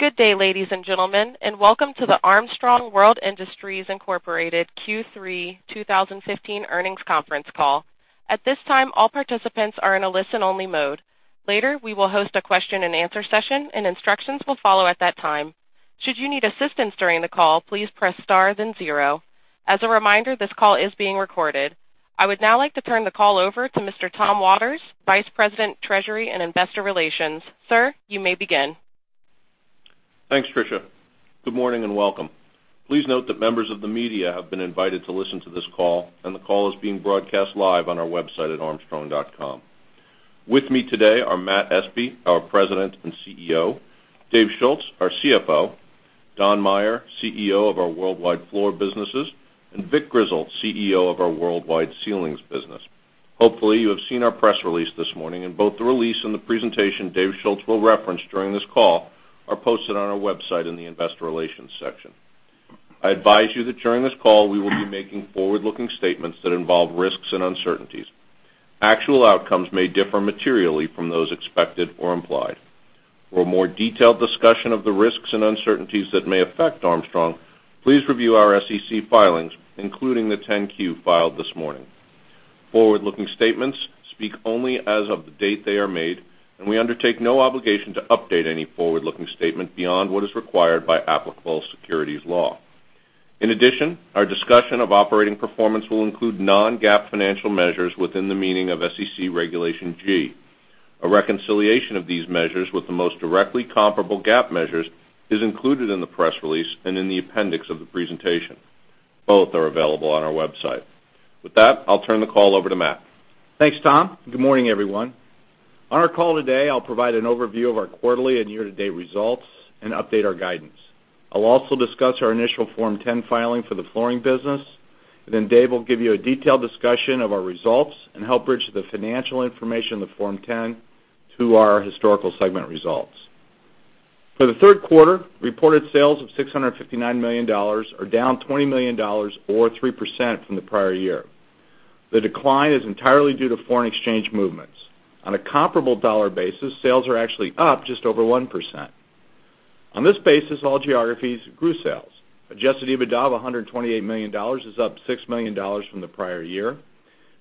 Good day, ladies and gentlemen, and welcome to the Armstrong World Industries Incorporated Q3 2015 earnings conference call. At this time, all participants are in a listen-only mode. Later, we will host a question and answer session, and instructions will follow at that time. Should you need assistance during the call, please press star then zero. As a reminder, this call is being recorded. I would now like to turn the call over to Mr. Thomas Waters, Vice President, Treasury and Investor Relations. Sir, you may begin. Thanks, Trisha. Good morning and welcome. Please note that members of the media have been invited to listen to this call, and the call is being broadcast live on our website at armstrong.com. With me today are Matthew Espe, our President and CEO, David Schulz, our CFO, Don Maier, CEO of our worldwide floor businesses, and Vic Grizzle, CEO of our worldwide ceilings business. Hopefully, you have seen our press release this morning and both the release and the presentation David Schulz will reference during this call are posted on our website in the investor relations section. I advise you that during this call, we will be making forward-looking statements that involve risks and uncertainties. Actual outcomes may differ materially from those expected or implied. For a more detailed discussion of the risks and uncertainties that may affect Armstrong, please review our SEC filings, including the 10-Q filed this morning. Forward-looking statements speak only as of the date they are made. We undertake no obligation to update any forward-looking statement beyond what is required by applicable securities law. In addition, our discussion of operating performance will include non-GAAP financial measures within the meaning of SEC Regulation G. A reconciliation of these measures with the most directly comparable GAAP measures is included in the press release and in the appendix of the presentation. Both are available on our website. With that, I'll turn the call over to Matt. Thanks, Tom. Good morning, everyone. On our call today, I'll provide an overview of our quarterly and year-to-date results and update our guidance. I'll also discuss our initial Form 10 filing for the flooring business. Then Dave will give you a detailed discussion of our results and help bridge the financial information in the Form 10 to our historical segment results. For the third quarter, reported sales of $659 million are down $20 million or 3% from the prior year. The decline is entirely due to foreign exchange movements. On a comparable dollar basis, sales are actually up just over 1%. On this basis, all geographies grew sales. Adjusted EBITDA of $128 million is up $6 million from the prior year.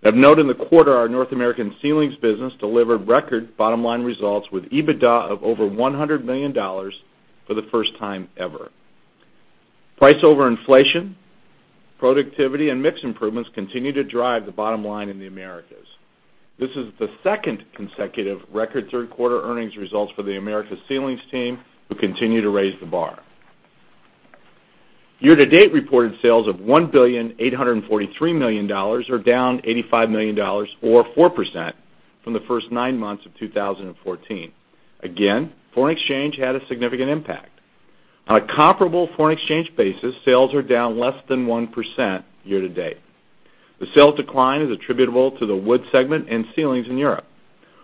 Of note in the quarter, our North American ceilings business delivered record bottom-line results with EBITDA of over $100 million for the first time ever. Price over inflation, productivity, and mix improvements continue to drive the bottom line in the Americas. This is the second consecutive record third-quarter earnings results for the Americas Ceilings team, who continue to raise the bar. Year-to-date reported sales of $1,843 million are down $85 million or 4% from the first nine months of 2014. Again, foreign exchange had a significant impact. On a comparable foreign exchange basis, sales are down less than 1% year-to-date. The sales decline is attributable to the wood segment and ceilings in Europe.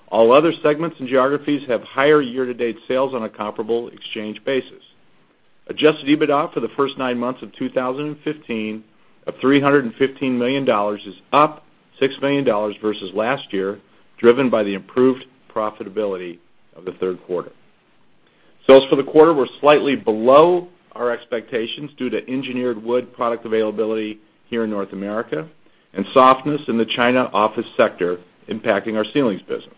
All other segments and geographies have higher year-to-date sales on a comparable exchange basis. Adjusted EBITDA for the first nine months of 2015 of $315 million is up $6 million versus last year, driven by the improved profitability of the third quarter. Sales for the quarter were slightly below our expectations due to engineered wood product availability here in North America and softness in the China office sector impacting our ceilings business.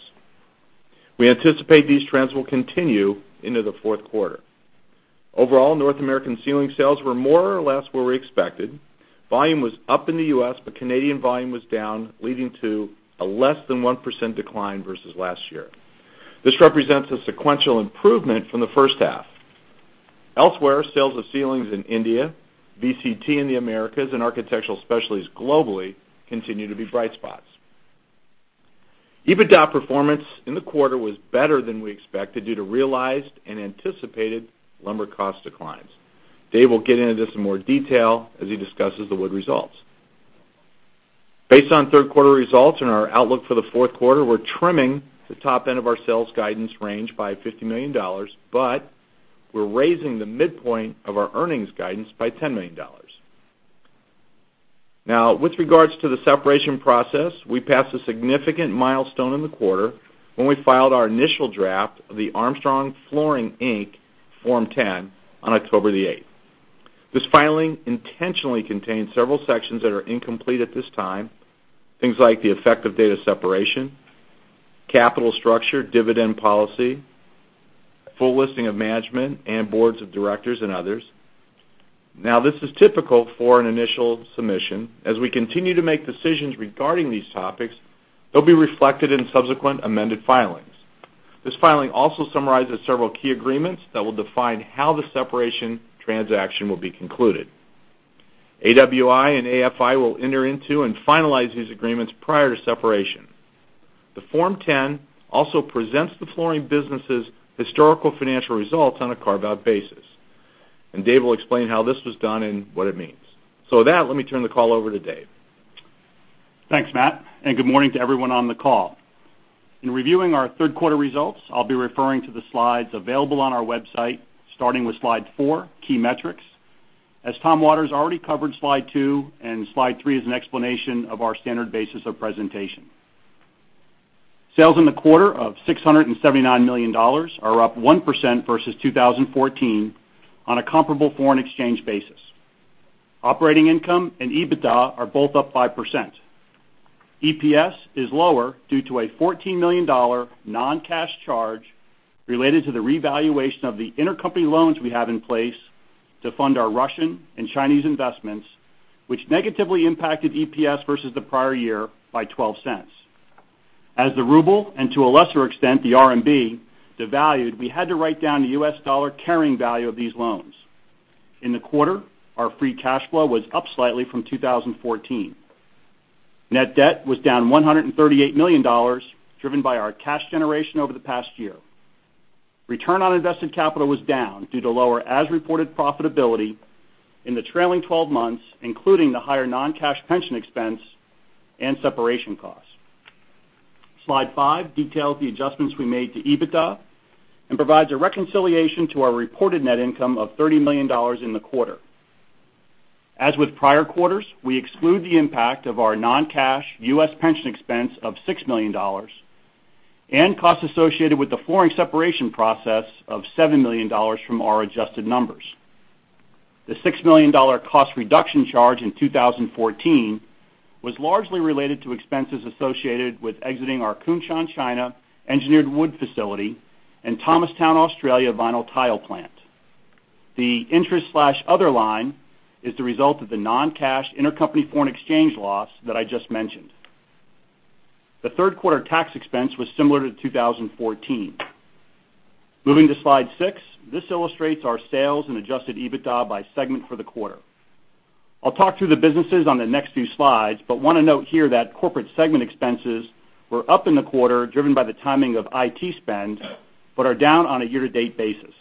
We anticipate these trends will continue into the fourth quarter. Overall, North American ceiling sales were more or less where we expected. Volume was up in the U.S., but Canadian volume was down, leading to a less than 1% decline versus last year. This represents a sequential improvement from the first half. Elsewhere, sales of ceilings in India, VCT in the Americas, and Architectural Specialties globally continue to be bright spots. EBITDA performance in the quarter was better than we expected due to realized and anticipated lumber cost declines. Dave will get into this in more detail as he discusses the wood results. Based on third-quarter results and our outlook for the fourth quarter, we're trimming the top end of our sales guidance range by $50 million, but we're raising the midpoint of our earnings guidance by $10 million. With regards to the separation process, we passed a significant milestone in the quarter when we filed our initial draft of the Armstrong Flooring, Inc. Form 10 on October the 8th. This filing intentionally contains several sections that are incomplete at this time, things like the effective date of separation, capital structure, dividend policy, full listing of management and boards of directors, and others. This is typical for an initial submission. As we continue to make decisions regarding these topics, they'll be reflected in subsequent amended filings. This filing also summarizes several key agreements that will define how the separation transaction will be concluded. AWI and AFI will enter into and finalize these agreements prior to separation. The Form 10 also presents the flooring business's historical financial results on a carve-out basis, and Dave will explain how this was done and what it means. With that, let me turn the call over to Dave. Thanks, Matt, good morning to everyone on the call. In reviewing our third-quarter results, I'll be referring to the slides available on our website, starting with slide four, key metrics. Thomas Waters already covered slide two and slide three is an explanation of our standard basis of presentation. Sales in the quarter of $659 million are up 1% versus 2014 on a comparable foreign exchange basis. Operating income and EBITDA are both up 5%. EPS is lower due to a $14 million non-cash charge related to the revaluation of the intercompany loans we have in place to fund our Russian and Chinese investments, which negatively impacted EPS versus the prior year by $0.12. The RUB, and to a lesser extent, the RMB, devalued, we had to write down the U.S. dollar carrying value of these loans. In the quarter, our free cash flow was up slightly from 2014. Net debt was down $138 million, driven by our cash generation over the past year. ROIC was down due to lower as-reported profitability in the trailing 12 months, including the higher non-cash pension expense and separation costs. Slide five details the adjustments we made to EBITDA and provides a reconciliation to our reported net income of $30 million in the quarter. With prior quarters, we exclude the impact of our non-cash U.S. pension expense of $6 million and costs associated with the flooring separation process of $7 million from our adjusted numbers. The $6 million cost reduction charge in 2014 was largely related to expenses associated with exiting our Kunshan, China engineered wood facility and Thomastown, Australia vinyl tile plant. The interest/other line is the result of the non-cash intercompany foreign exchange loss that I just mentioned. The third quarter tax expense was similar to 2014. Slide six illustrates our sales and adjusted EBITDA by segment for the quarter. I'll talk through the businesses on the next few slides, want to note here that corporate segment expenses were up in the quarter, driven by the timing of IT spend, but are down on a year-to-date basis.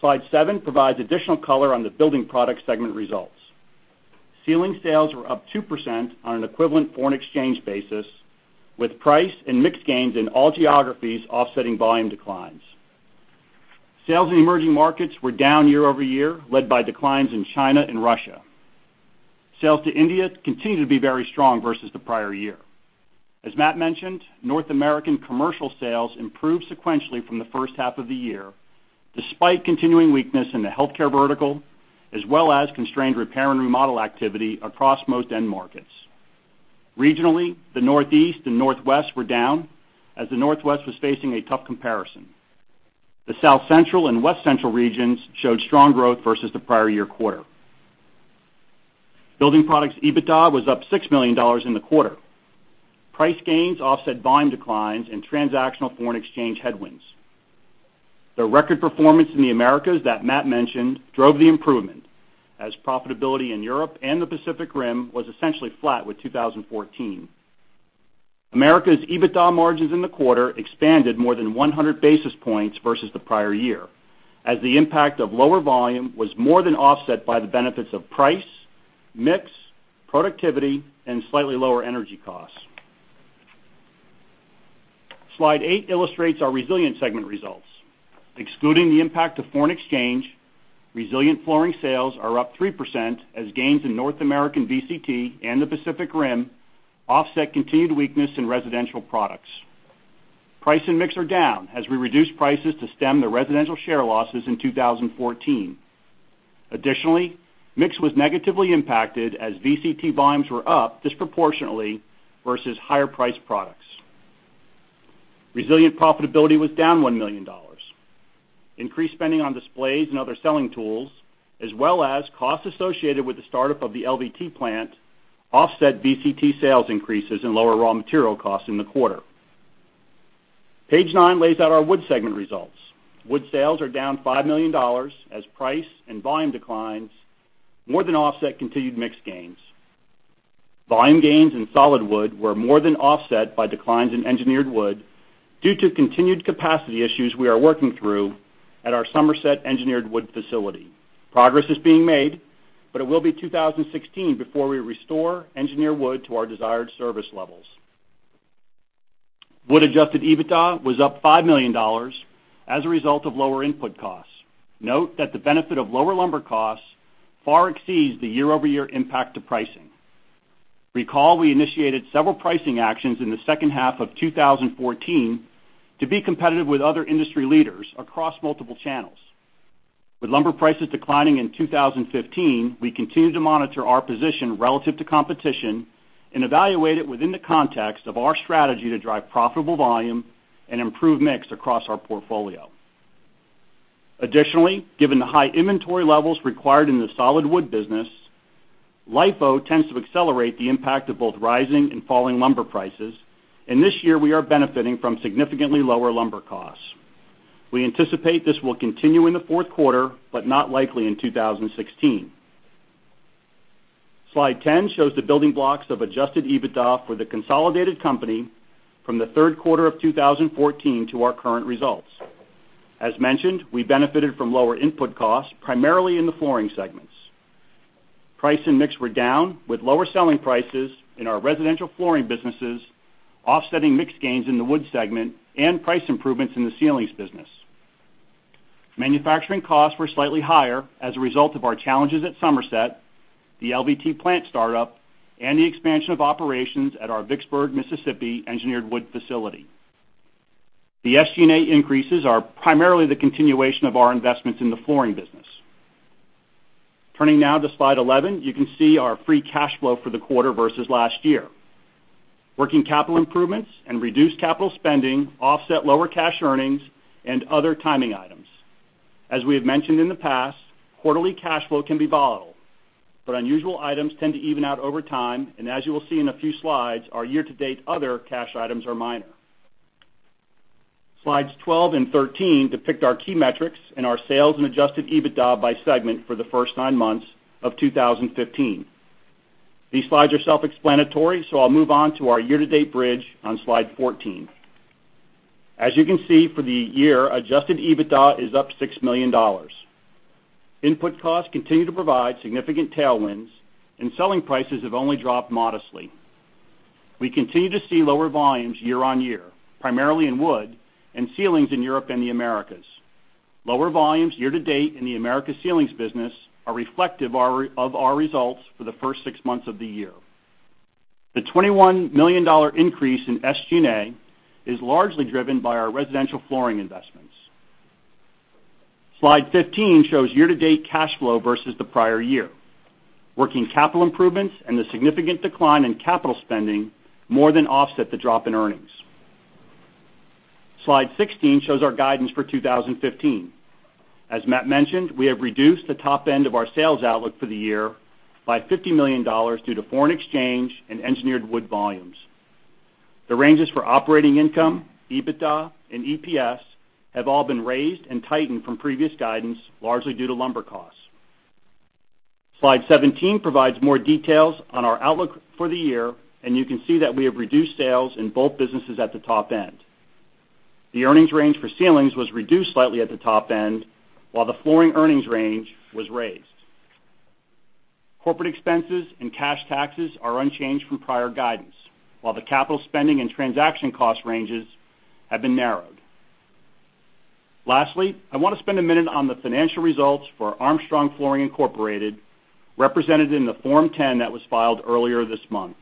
Slide seven provides additional color on the building product segment results. Ceiling sales were up 2% on an equivalent foreign exchange basis, with price and mix gains in all geographies offsetting volume declines. Sales in emerging markets were down year-over-year, led by declines in China and Russia. Sales to India continue to be very strong versus the prior year. Matt mentioned, North American commercial sales improved sequentially from the first half of the year, despite continuing weakness in the healthcare vertical, as well as constrained repair and remodel activity across most end markets. Regionally, the Northeast and Northwest were down, the Northwest was facing a tough comparison. The South Central and West Central regions showed strong growth versus the prior year quarter. Building Products EBITDA was up $6 million in the quarter. Price gains offset volume declines and transactional foreign exchange headwinds. The record performance in the Americas that Matt mentioned drove the improvement, as profitability in Europe and the Pacific Rim was essentially flat with 2014. Americas EBITDA margins in the quarter expanded more than 100 basis points versus the prior year, as the impact of lower volume was more than offset by the benefits of price, mix, productivity, and slightly lower energy costs. Slide eight illustrates our resilient segment results. Excluding the impact of foreign exchange, resilient flooring sales are up 3% as gains in North American VCT and the Pacific Rim offset continued weakness in residential products. Price and mix are down as we reduce prices to stem the residential share losses in 2014. Mix was negatively impacted as VCT volumes were up disproportionately versus higher priced products. Resilient profitability was down $1 million. Increased spending on displays and other selling tools, as well as costs associated with the startup of the LVT plant, offset VCT sales increases and lower raw material costs in the quarter. Page nine lays out our wood segment results. Wood sales are down $5 million as price and volume declines more than offset continued mix gains. Volume gains in solid wood were more than offset by declines in engineered wood due to continued capacity issues we are working through at our Somerset engineered wood facility. Progress is being made, but it will be 2016 before we restore engineered wood to our desired service levels. Wood-adjusted EBITDA was up $5 million as a result of lower input costs. Note that the benefit of lower lumber costs far exceeds the year-over-year impact to pricing. Recall we initiated several pricing actions in the second half of 2014 to be competitive with other industry leaders across multiple channels. With lumber prices declining in 2015, we continue to monitor our position relative to competition and evaluate it within the context of our strategy to drive profitable volume and improve mix across our portfolio. Given the high inventory levels required in the solid wood business, LIFO tends to accelerate the impact of both rising and falling lumber prices, and this year we are benefiting from significantly lower lumber costs. We anticipate this will continue in the fourth quarter, but not likely in 2016. Slide 10 shows the building blocks of adjusted EBITDA for the consolidated company from the third quarter of 2014 to our current results. As mentioned, we benefited from lower input costs, primarily in the flooring segments. Price and mix were down, with lower selling prices in our residential flooring businesses offsetting mix gains in the wood segment and price improvements in the ceilings business. Manufacturing costs were slightly higher as a result of our challenges at Somerset, the LVT plant startup, and the expansion of operations at our Vicksburg, Mississippi, engineered wood facility. The SG&A increases are primarily the continuation of our investments in the flooring business. Turning now to slide 11, you can see our free cash flow for the quarter versus last year. Working capital improvements and reduced capital spending offset lower cash earnings and other timing items. As we have mentioned in the past, quarterly cash flow can be volatile, but unusual items tend to even out over time, and as you will see in a few slides, our year-to-date other cash items are minor. Slides 12 and 13 depict our key metrics and our sales and adjusted EBITDA by segment for the first nine months of 2015. These slides are self-explanatory. I'll move on to our year-to-date bridge on slide 14. As you can see, for the year, adjusted EBITDA is up $6 million. Input costs continue to provide significant tailwinds and selling prices have only dropped modestly. We continue to see lower volumes year-over-year, primarily in wood and ceilings in Europe and the Americas. Lower volumes year-to-date in the Americas ceilings business are reflective of our results for the first six months of the year. The $21 million increase in SG&A is largely driven by our residential flooring investments. Slide 15 shows year-to-date cash flow versus the prior year. Working capital improvements and the significant decline in capital spending more than offset the drop in earnings. Slide 16 shows our guidance for 2015. As Matt mentioned, we have reduced the top end of our sales outlook for the year by $50 million due to foreign exchange and engineered wood volumes. The ranges for operating income, EBITDA, and EPS have all been raised and tightened from previous guidance, largely due to lumber costs. Slide 17 provides more details on our outlook for the year. You can see that we have reduced sales in both businesses at the top end. The earnings range for ceilings was reduced slightly at the top end, while the flooring earnings range was raised. Corporate expenses and cash taxes are unchanged from prior guidance, while the capital spending and transaction cost ranges have been narrowed. Lastly, I want to spend a minute on the financial results for Armstrong Flooring Incorporated, represented in the Form 10 that was filed earlier this month.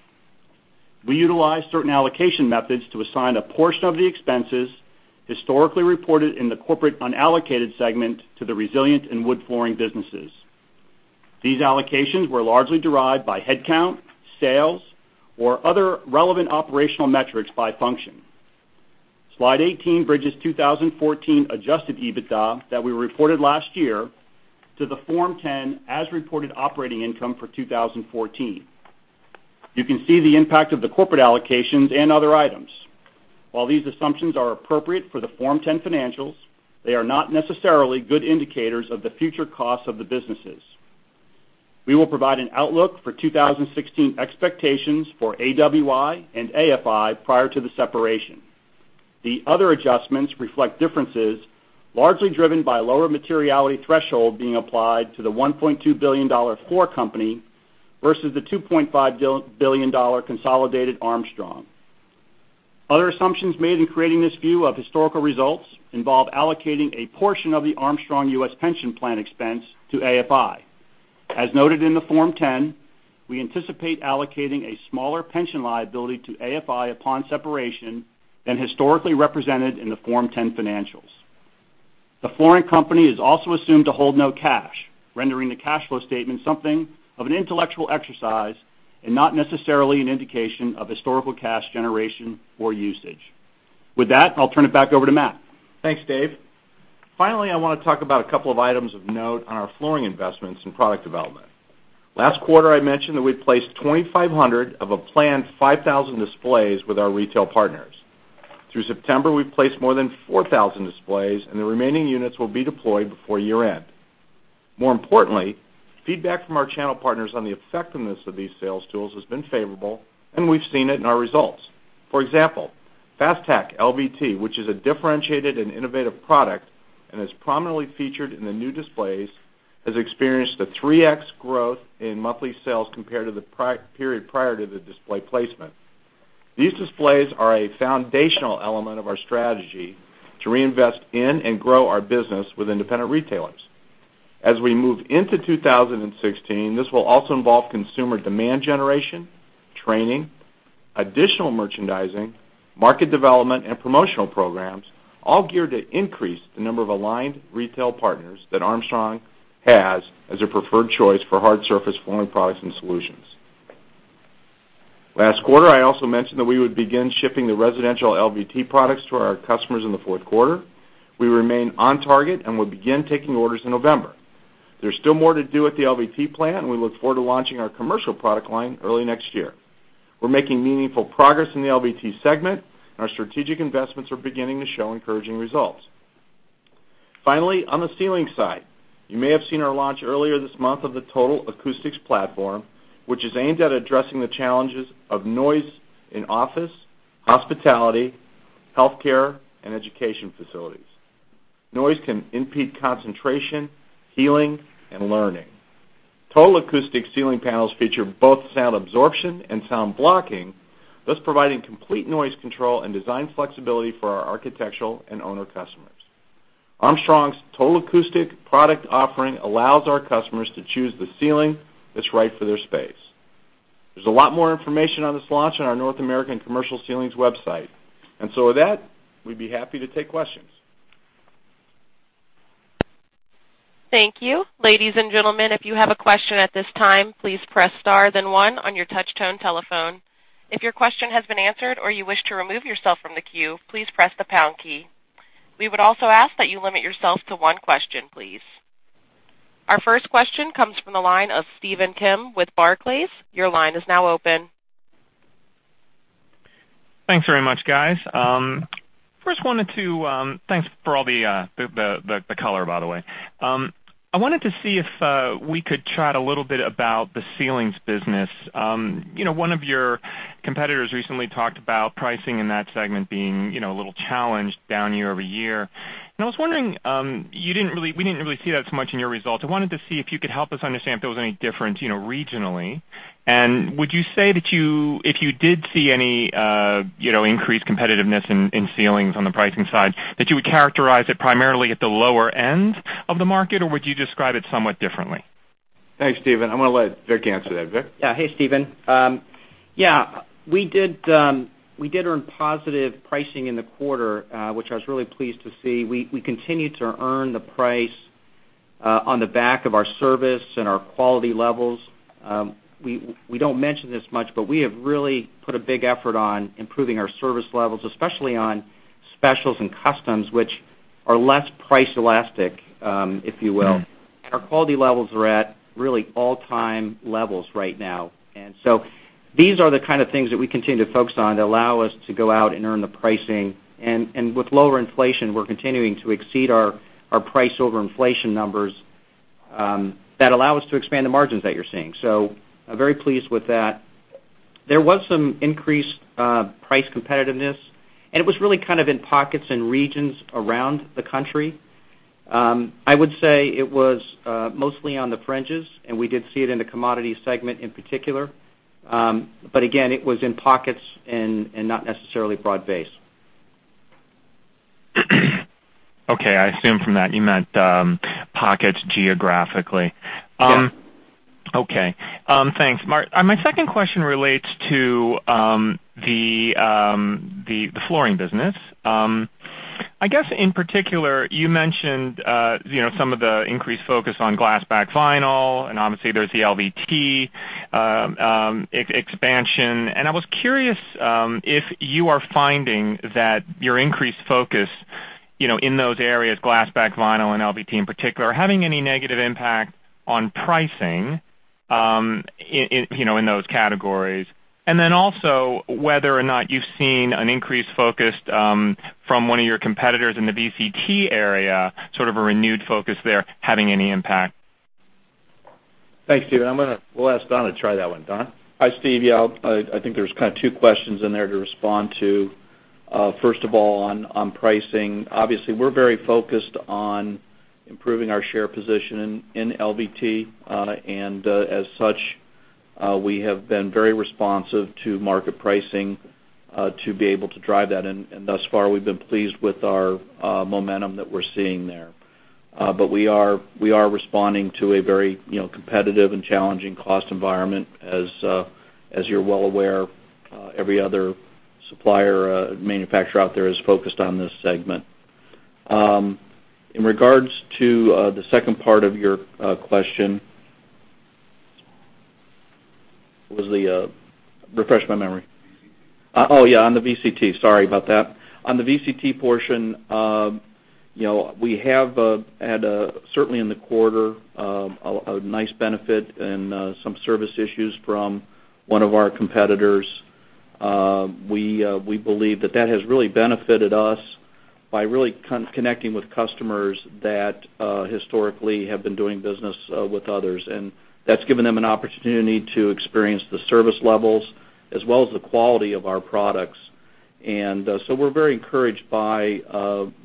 We utilize certain allocation methods to assign a portion of the expenses historically reported in the corporate unallocated segment to the resilient and wood flooring businesses. These allocations were largely derived by headcount, sales, or other relevant operational metrics by function. Slide 18 bridges 2014 adjusted EBITDA that we reported last year to the Form 10, as-reported operating income for 2014. You can see the impact of the corporate allocations and other items. While these assumptions are appropriate for the Form 10 financials, they are not necessarily good indicators of the future costs of the businesses. We will provide an outlook for 2016 expectations for AWI and AFI prior to the separation. The other adjustments reflect differences largely driven by lower materiality threshold being applied to the $1.2 billion floor company versus the $2.5 billion consolidated Armstrong. Other assumptions made in creating this view of historical results involve allocating a portion of the Armstrong U.S. pension plan expense to AFI. As noted in the Form 10, we anticipate allocating a smaller pension liability to AFI upon separation than historically represented in the Form 10 financials. The flooring company is also assumed to hold no cash, rendering the cash flow statement something of an intellectual exercise and not necessarily an indication of historical cash generation or usage. With that, I'll turn it back over to Matt. Thanks, Dave. Finally, I want to talk about a couple of items of note on our flooring investments and product development. Last quarter, I mentioned that we placed 2,500 of a planned 5,000 displays with our retail partners. Through September, we've placed more than 4,000 displays, and the remaining units will be deployed before year-end. More importantly, feedback from our channel partners on the effectiveness of these sales tools has been favorable, and we've seen it in our results. For example, FasTak LVT, which is a differentiated and innovative product and is prominently featured in the new displays, has experienced a 3x growth in monthly sales compared to the period prior to the display placement. These displays are a foundational element of our strategy to reinvest in and grow our business with independent retailers. As we move into 2016, this will also involve consumer demand generation, training, additional merchandising, market development, and promotional programs, all geared to increase the number of aligned retail partners that Armstrong has as a preferred choice for hard surface flooring products and solutions. Last quarter, I also mentioned that we would begin shipping the residential LVT products to our customers in the fourth quarter. We remain on target and will begin taking orders in November. There's still more to do at the LVT plant. We look forward to launching our commercial product line early next year. We're making meaningful progress in the LVT segment and our strategic investments are beginning to show encouraging results. Finally, on the ceilings side, you may have seen our launch earlier this month of the Total Acoustics platform, which is aimed at addressing the challenges of noise in office, hospitality, healthcare, and education facilities. Noise can impede concentration, healing, and learning. Total Acoustic ceiling panels feature both sound absorption and sound blocking, thus providing complete noise control and design flexibility for our architectural and owner customers. Armstrong's Total Acoustic product offering allows our customers to choose the ceiling that's right for their space. There's a lot more information on this launch on our North American Commercial Ceilings website. With that, we'd be happy to take questions. Thank you. Ladies and gentlemen, if you have a question at this time, please press star then one on your touch-tone telephone. If your question has been answered or you wish to remove yourself from the queue, please press the pound key. We would also ask that you limit yourself to one question, please. Our first question comes from the line of Stephen Kim with Barclays. Your line is now open. Thanks very much, guys. First wanted to thanks for all the color, by the way. I wanted to see if we could chat a little bit about the ceilings business. One of your competitors recently talked about pricing in that segment being a little challenged down year-over-year. I was wondering, we didn't really see that as much in your results. I wanted to see if you could help us understand if there was any difference regionally. Would you say that if you did see any increased competitiveness in ceilings on the pricing side, that you would characterize it primarily at the lower end of the market, or would you describe it somewhat differently? Thanks, Stephen. I'm going to let Vic answer that. Vic? Hey, Stephen. We did earn positive pricing in the quarter, which I was really pleased to see. We continue to earn the price on the back of our service and our quality levels. We don't mention this much, but we have really put a big effort on improving our service levels, especially on specials and customs, which are less price elastic, if you will. Our quality levels are at really all-time levels right now. These are the kind of things that we continue to focus on that allow us to go out and earn the pricing. With lower inflation, we're continuing to exceed our price over inflation numbers that allow us to expand the margins that you're seeing. I'm very pleased with that. There was some increased price competitiveness, and it was really in pockets and regions around the country. I would say it was mostly on the fringes, and we did see it in the commodity segment in particular. Again, it was in pockets and not necessarily broad-based. Okay. I assume from that you meant pockets geographically. Yeah. Okay. Thanks. My second question relates to the flooring business. I guess in particular, you mentioned some of the increased focus on glass-backed vinyl. Obviously there's the LVT expansion. I was curious if you are finding that your increased focus in those areas, glass-backed vinyl and LVT in particular, are having any negative impact on pricing in those categories. Also, whether or not you've seen an increased focus from one of your competitors in the VCT area, sort of a renewed focus there having any impact. Thanks, Stephen. We'll ask Don to try that one. Don? Hi, Stephen. Yeah, I think there's kind of two questions in there to respond to. First of all, on pricing, obviously, we're very focused on improving our share position in LVT. As such, we have been very responsive to market pricing to be able to drive that. Thus far, we've been pleased with our momentum that we're seeing there. We are responding to a very competitive and challenging cost environment. As you're well aware, every other supplier manufacturer out there is focused on this segment. In regards to the second part of your question, refresh my memory. VCT. Oh, yeah, on the VCT. Sorry about that. On the VCT portion, we have had, certainly in the quarter, a nice benefit and some service issues from one of our competitors. We believe that that has really benefited us by really connecting with customers that historically have been doing business with others, and that's given them an opportunity to experience the service levels as well as the quality of our products. We're very encouraged by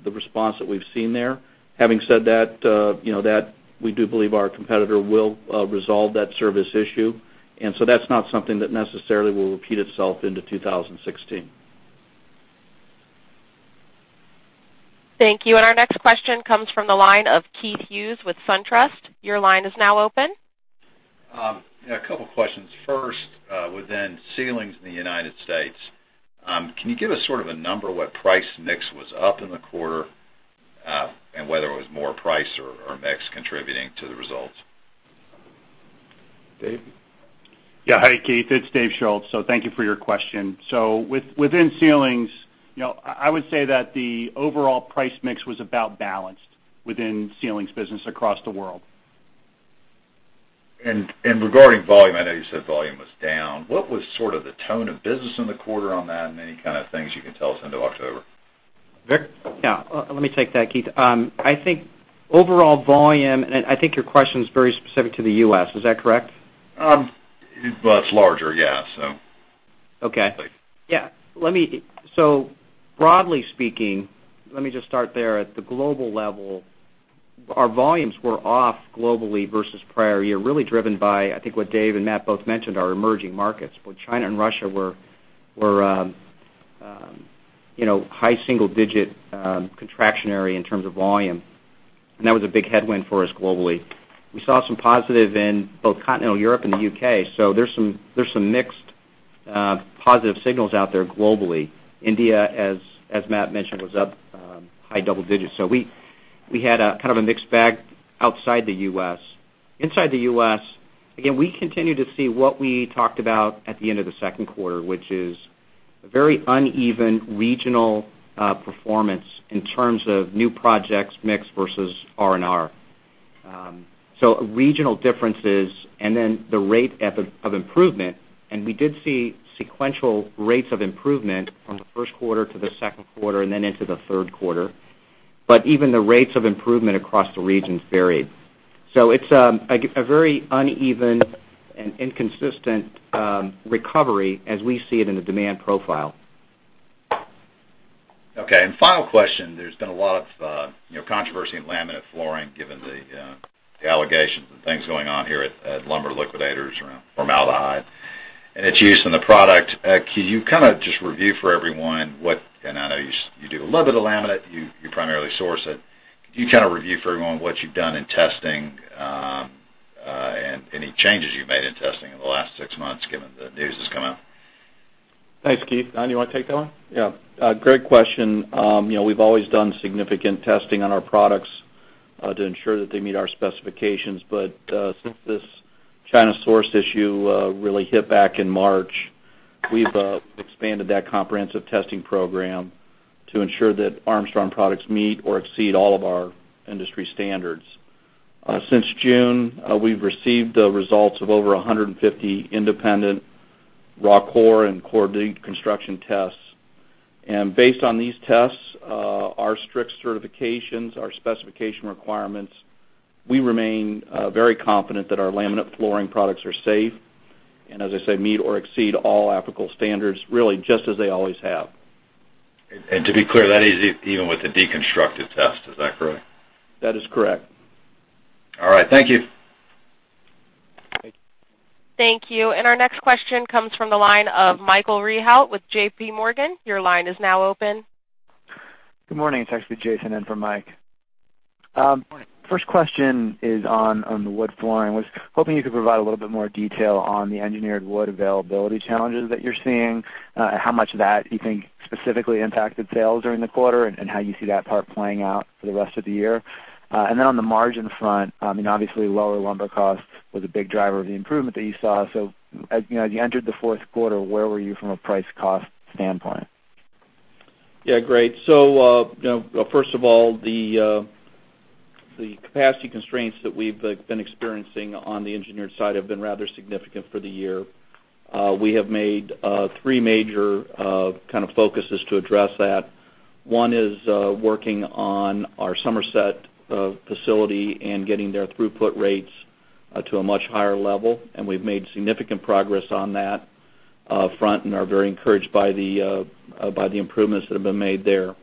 the response that we've seen there. Having said that, we do believe our competitor will resolve that service issue, that's not something that necessarily will repeat itself into 2016. Thank you. Our next question comes from the line of Keith Hughes with SunTrust. Your line is now open. Yeah, a couple questions. First, within ceilings in the United States, can you give us sort of a number what price mix was up in the quarter? Whether it was more price or mix contributing to the results? Dave? Yeah. Hi, Keith. It's Dave Schulz, thank you for your question. Within ceilings, I would say that the overall price mix was about balanced within ceilings business across the world. Regarding volume, I know you said volume was down. What was sort of the tone of business in the quarter on that, and any kind of things you can tell us into October? Vic? Yeah. Let me take that, Keith. I think overall volume, I think your question's very specific to the U.S., is that correct? It's larger, yeah. Okay. Yeah. Broadly speaking, let me just start there. At the global level, our volumes were off globally versus prior year, really driven by, I think, what Dave and Matt both mentioned, our emerging markets, where China and Russia were high single-digit, contractionary in terms of volume. That was a big headwind for us globally. We saw some positive in both continental Europe and the U.K. There's some mixed positive signals out there globally. India, as Matt mentioned, was up high double-digits. We had a kind of a mixed bag outside the U.S. Inside the U.S., again, we continue to see what we talked about at the end of the second quarter, which is a very uneven regional performance in terms of new projects mix versus R&R. Regional differences and then the rate of improvement, we did see sequential rates of improvement from the first quarter to the second quarter and then into the third quarter. Even the rates of improvement across the regions varied. It's a very uneven and inconsistent recovery as we see it in the demand profile. Okay, final question. There's been a lot of controversy in laminate flooring given the allegations and things going on here at Lumber Liquidators around formaldehyde and its use in the product. I know you do a little bit of laminate, you primarily source it. Can you review for everyone what you've done in testing, and any changes you've made in testing in the last six months, given the news that's come out? Thanks, Keith. Don, you want to take that one? Yeah. Great question. We've always done significant testing on our products to ensure that they meet our specifications. Since this China source issue really hit back in March, we've expanded that comprehensive testing program to ensure that Armstrong products meet or exceed all of our industry standards. Since June, we've received the results of over 150 independent raw core and core deconstruction tests. Based on these tests, our strict certifications, our specification requirements, we remain very confident that our laminate flooring products are safe, and as I said, meet or exceed all applicable standards, really, just as they always have. To be clear, that is even with the deconstructed test, is that correct? That is correct. All right. Thank you. Thank you. Thank you. Our next question comes from the line of Michael Rehaut with JPMorgan. Your line is now open. Good morning. It's actually Jason in for Mike. Morning. First question is on the wood flooring. Was hoping you could provide a little bit more detail on the engineered wood availability challenges that you're seeing, how much of that you think specifically impacted sales during the quarter, and how you see that part playing out for the rest of the year. On the margin front, obviously lower lumber cost was a big driver of the improvement that you saw. As you entered the fourth quarter, where were you from a price cost standpoint? Yeah. Great. First of all, the capacity constraints that we've been experiencing on the engineered side have been rather significant for the year. We have made three major kind of focuses to address that. One is working on our Somerset facility and getting their throughput rates to a much higher level, and we've made significant progress on that front and are very encouraged by the improvements that have been made there.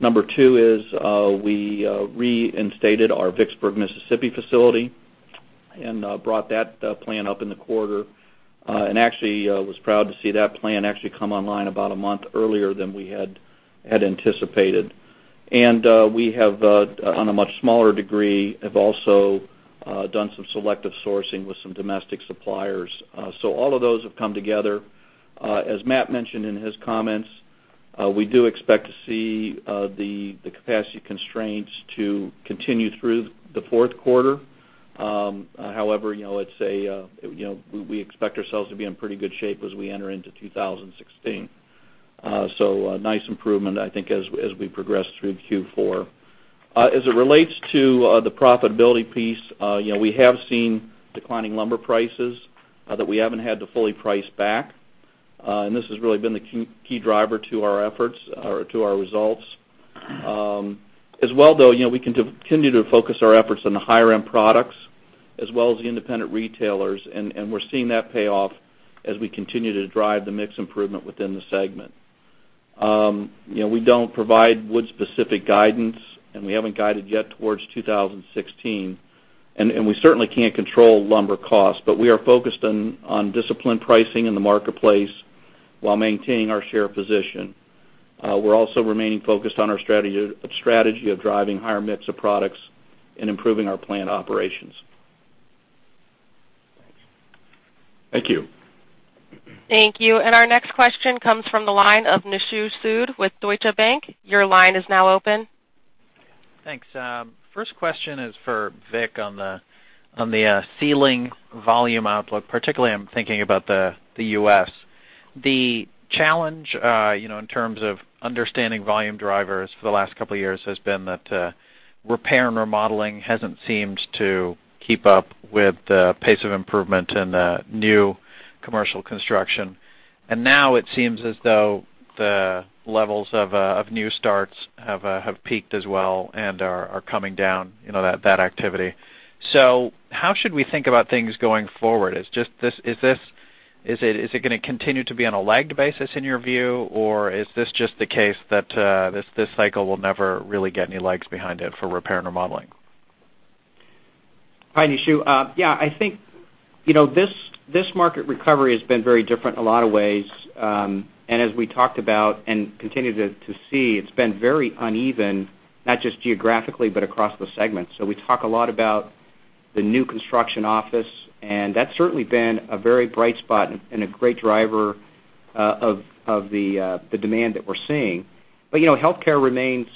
Number 2 is, we reinstated our Vicksburg, Mississippi facility and brought that plant up in the quarter. Actually, was proud to see that plant actually come online about a month earlier than we had anticipated. We have, on a much smaller degree, have also done some selective sourcing with some domestic suppliers. All of those have come together. As Matt mentioned in his comments, we do expect to see the capacity constraints to continue through the fourth quarter. However, we expect ourselves to be in pretty good shape as we enter into 2016. A nice improvement, I think, as we progress through Q4. As it relates to the profitability piece, we have seen declining lumber prices that we haven't had to fully price back. This has really been the key driver to our efforts or to our results. As well, though, we continue to focus our efforts on the higher-end products as well as the independent retailers, and we're seeing that pay off as we continue to drive the mix improvement within the segment. We don't provide wood specific guidance, and we haven't guided yet towards 2016, and we certainly can't control lumber costs, but we are focused on disciplined pricing in the marketplace while maintaining our share position. We're also remaining focused on our strategy of driving higher mix of products and improving our plant operations. Thanks. Thank you. Thank you. Our next question comes from the line of Nishu Sood with Deutsche Bank. Your line is now open. Thanks. First question is for Vic on the ceiling volume outlook, particularly I'm thinking about the U.S. The challenge in terms of understanding volume drivers for the last 2 years has been that repair and remodeling hasn't seemed to keep up with the pace of improvement in new commercial construction. Now it seems as though the levels of new starts have peaked as well and are coming down, that activity. How should we think about things going forward? Is this? Is it going to continue to be on a lagged basis in your view, or is this just the case that this cycle will never really get any legs behind it for repair and remodeling? Hi, Nishu. I think, this market recovery has been very different in a lot of ways. As we talked about and continue to see, it's been very uneven, not just geographically, but across the segments. We talk a lot about the new construction office, and that's certainly been a very bright spot and a great driver of the demand that we're seeing. Healthcare remains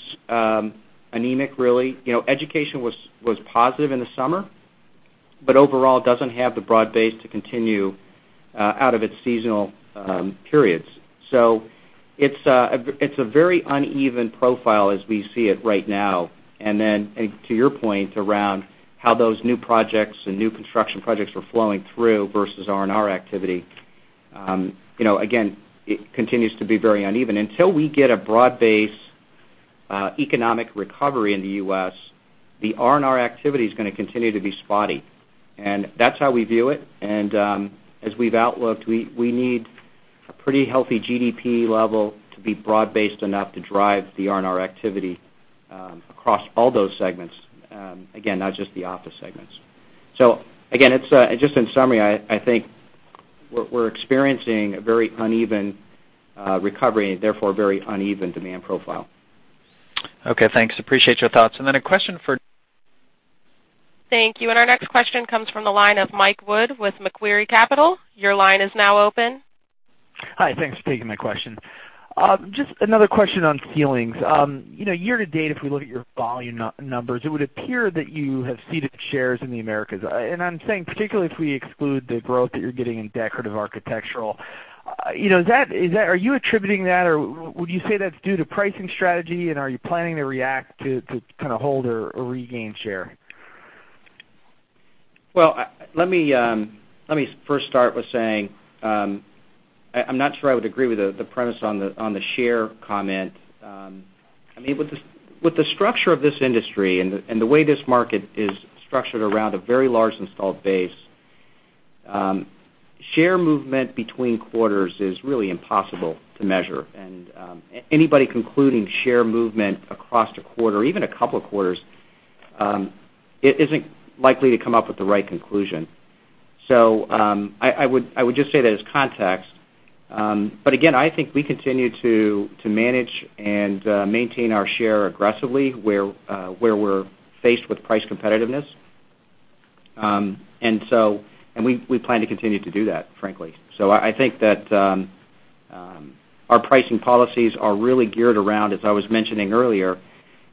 anemic really. Education was positive in the summer, but overall doesn't have the broad base to continue out of its seasonal periods. It's a very uneven profile as we see it right now. To your point around how those new projects and new construction projects are flowing through versus R&R activity. Again, it continues to be very uneven. Until we get a broad-based economic recovery in the U.S., the R&R activity is going to continue to be spotty. That's how we view it, and, as we've outlooked, we need a pretty healthy GDP level to be broad-based enough to drive the R&R activity, across all those segments, again, not just the office segments. Again, just in summary, I think we're experiencing a very uneven recovery, therefore, a very uneven demand profile. Okay, thanks. Appreciate your thoughts. Then a question for Don. Thank you. Our next question comes from the line of Michael Wood with Macquarie Capital. Your line is now open. Hi, thanks for taking my question. Just another question on ceilings. Year to date, if we look at your volume numbers, it would appear that you have ceded shares in the Americas. I'm saying particularly if we exclude the growth that you're getting in decorative Architectural. Are you attributing that, or would you say that's due to pricing strategy, and are you planning to react to kind of hold or regain share? Well, let me first start with saying, I'm not sure I would agree with the premise on the share comment. With the structure of this industry and the way this market is structured around a very large installed base, share movement between quarters is really impossible to measure. Anybody concluding share movement across a quarter, even a couple of quarters, isn't likely to come up with the right conclusion. I would just say that as context. Again, I think we continue to manage and maintain our share aggressively where we're faced with price competitiveness. We plan to continue to do that, frankly. I think that our pricing policies are really geared around, as I was mentioning earlier,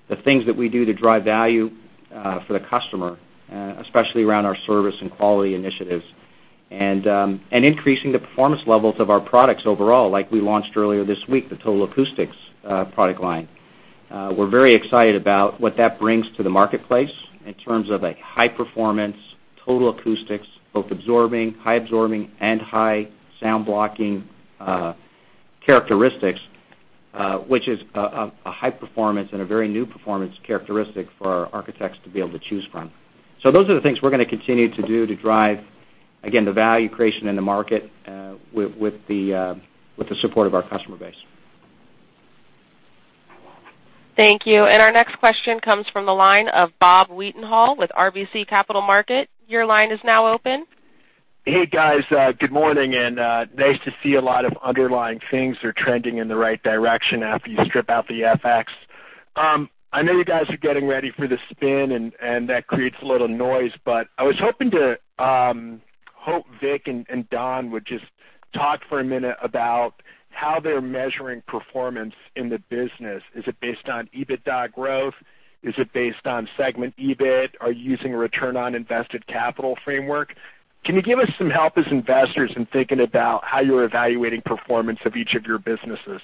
the things that we do to drive value for the customer, especially around our service and quality initiatives and increasing the performance levels of our products overall, like we launched earlier this week, the Total Acoustics product line. We're very excited about what that brings to the marketplace in terms of a high performance, Total Acoustics, both absorbing, high absorbing, and high sound blocking characteristics, which is a high performance and a very new performance characteristic for our architects to be able to choose from. Those are the things we're going to continue to do to drive, again, the value creation in the market with the support of our customer base. Thank you. Our next question comes from the line of Bob Wetenhall with RBC Capital Markets. Your line is now open. Hey, guys, good morning, nice to see a lot of underlying things are trending in the right direction after you strip out the FX. I know you guys are getting ready for the spin, that creates a little noise. I was hoping to hope Vic and Don would just talk for a minute about how they're measuring performance in the business. Is it based on EBITDA growth? Is it based on segment EBIT? Are you using a return on invested capital framework? Can you give us some help as investors in thinking about how you're evaluating performance of each of your businesses?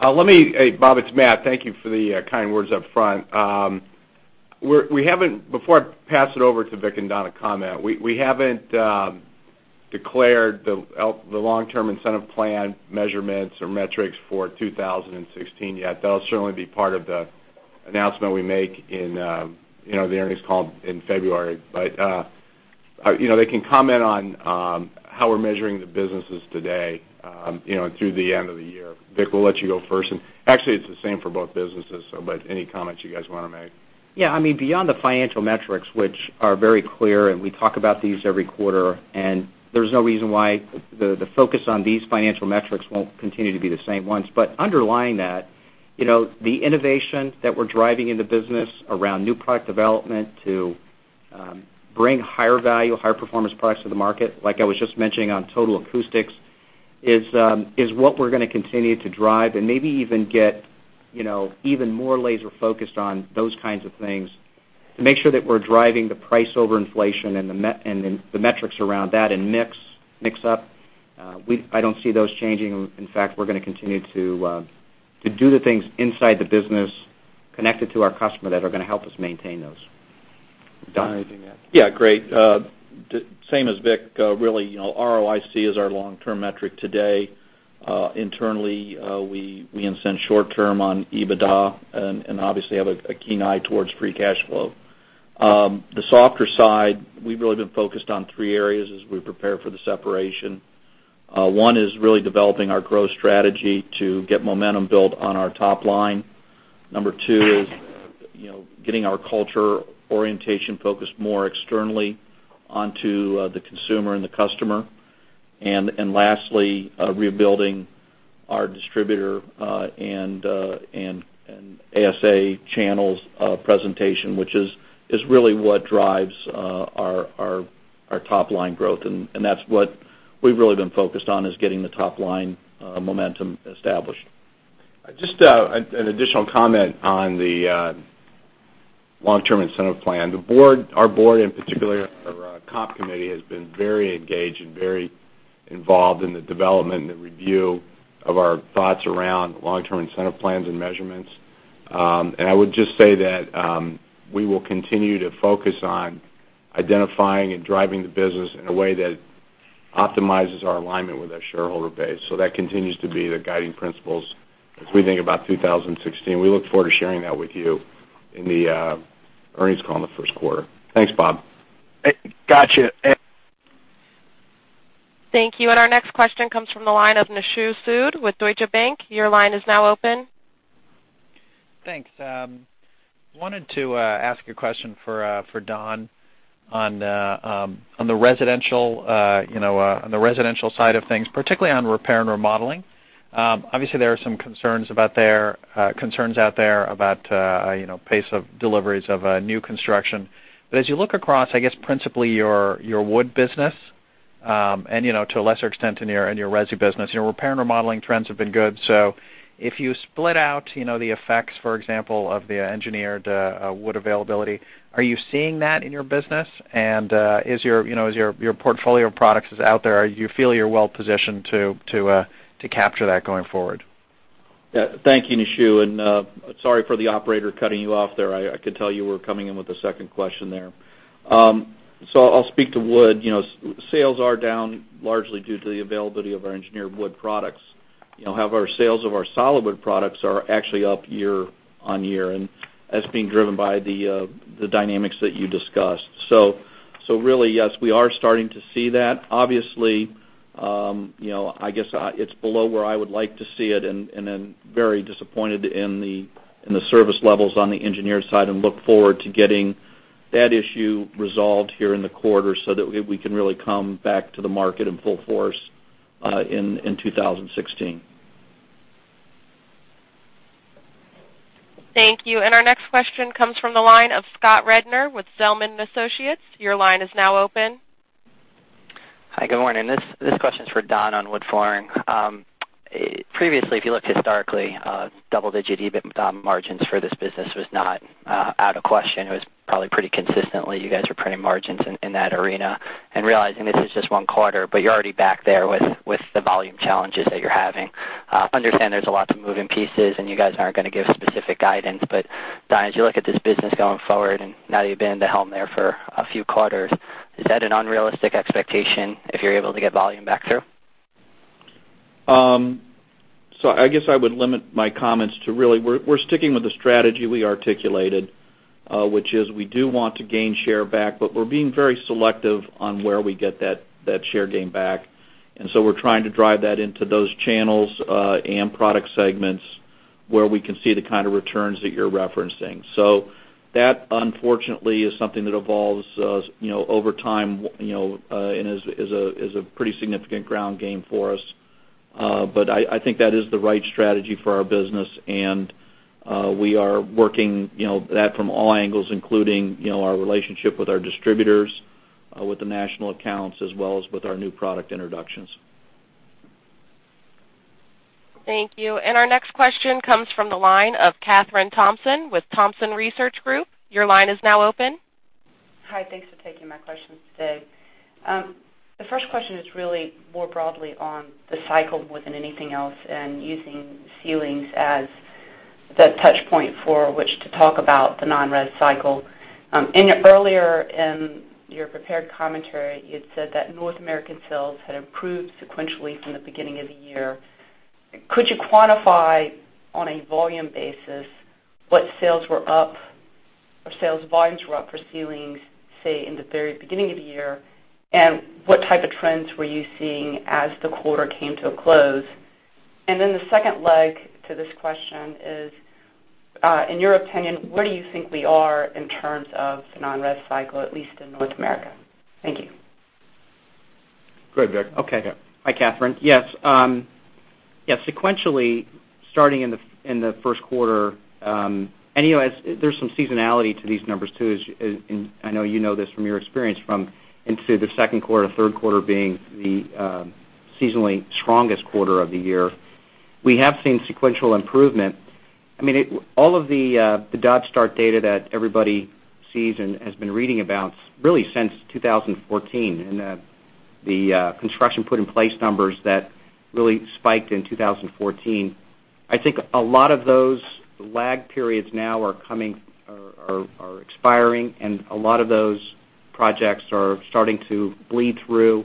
Bob, it's Matt, thank you for the kind words up front. Before I pass it over to Vic and Don to comment, we haven't declared the long-term incentive plan measurements or metrics for 2016 yet. That'll certainly be part of the announcement we make in the earnings call in February. They can comment on how we're measuring the businesses today and through the end of the year. Vic, we'll let you go first. Actually, it's the same for both businesses, but any comments you guys want to make? Yeah. Beyond the financial metrics, which are very clear, we talk about these every quarter, there's no reason why the focus on these financial metrics won't continue to be the same ones. Underlying that, the innovation that we're driving in the business around new product development to bring higher value, higher performance products to the market, like I was just mentioning on Total Acoustics, is what we're going to continue to drive and maybe even get even more laser-focused on those kinds of things to make sure that we're driving the price over inflation and the metrics around that and mix up. I don't see those changing. In fact, we're going to continue to do the things inside the business connected to our customer that are going to help us maintain those. Don? Yeah, great. Same as Vic. Really, ROIC is our long-term metric today. Internally, we incent short term on EBITDA and obviously have a keen eye towards free cash flow. The softer side, we've really been focused on three areas as we prepare for the separation. One is really developing our growth strategy to get momentum built on our top line. Number two is getting our culture orientation focused more externally onto the consumer and the customer. Lastly, rebuilding our distributor and ASA channels presentation, which is really what drives our top-line growth. That's what we've really been focused on, is getting the top-line momentum established. Just an additional comment on the long-term incentive plan. Our board, and particularly our comp committee, has been very engaged and very involved in the development and the review of our thoughts around long-term incentive plans and measurements. I would just say that we will continue to focus on identifying and driving the business in a way that optimizes our alignment with our shareholder base. That continues to be the guiding principles as we think about 2016. We look forward to sharing that with you in the earnings call in the first quarter. Thanks, Bob. Got you. Thank you. Our next question comes from the line of Nishu Sood with Deutsche Bank. Your line is now open. Thanks. Wanted to ask a question for Don on the residential side of things, particularly on repair and remodeling. Obviously, there are some concerns out there about pace of deliveries of new construction. As you look across, I guess principally your wood business, and to a lesser extent in your resi business, your repair and remodeling trends have been good. If you split out the effects, for example, of the engineered wood availability, are you seeing that in your business? As your portfolio of products is out there, you feel you're well-positioned to capture that going forward? Yeah. Thank you, Nishu, and sorry for the operator cutting you off there. I could tell you were coming in with a second question there. I'll speak to wood. Sales are down largely due to the availability of our engineered wood products. However, sales of our solid wood products are actually up year-on-year, and that's being driven by the dynamics that you discussed. Really, yes, we are starting to see that. Obviously, I guess, it's below where I would like to see it and very disappointed in the service levels on the engineered side and look forward to getting that issue resolved here in the quarter that we can really come back to the market in full force, in 2016. Thank you. Our next question comes from the line of Scott Rednor with Zelman & Associates. Your line is now open. Hi, good morning. This question's for Don on wood flooring. Previously, if you looked historically, double-digit EBIT margins for this business was not out of question. It was probably pretty consistently, you guys were printing margins in that arena. Realizing this is just one quarter, you're already back there with the volume challenges that you're having. Understand there's lots of moving pieces and you guys aren't going to give specific guidance. Don, as you look at this business going forward, and now that you've been at the helm there for a few quarters, is that an unrealistic expectation if you're able to get volume back through? I guess I would limit my comments to really, we're sticking with the strategy we articulated, which is we do want to gain share back, but we're being very selective on where we get that share gain back. We're trying to drive that into those channels, and product segments where we can see the kind of returns that you're referencing. That, unfortunately, is something that evolves over time, and is a pretty significant ground game for us. I think that is the right strategy for our business. We are working that from all angles, including our relationship with our distributors, with the national accounts, as well as with our new product introductions. Thank you. Our next question comes from the line of Kathryn Thompson with Thompson Research Group. Your line is now open. Hi, thanks for taking my questions today. The first question is really more broadly on the cycle more than anything else and using ceilings as the touchpoint for which to talk about the non-res cycle. Earlier in your prepared commentary, you had said that North American sales had improved sequentially from the beginning of the year. Could you quantify, on a volume basis, what sales were up or sales volumes were up for ceilings, say in the very beginning of the year? What type of trends were you seeing as the quarter came to a close? The second leg to this question is, in your opinion, where do you think we are in terms of the non-res cycle, at least in North America? Thank you. Go ahead, Vic. Okay. Hi, Kathryn. Yes. Sequentially, starting in the first quarter, anyways, there's some seasonality to these numbers too, and I know you know this from your experience, from into the second quarter, third quarter being the seasonally strongest quarter of the year. We have seen sequential improvement. I mean, all of the Dodge start data that everybody sees and has been reading about really since 2014 and the construction put in place numbers that really spiked in 2014, I think a lot of those lag periods now are expiring and a lot of those projects are starting to bleed through